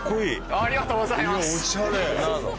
ありがとうございます！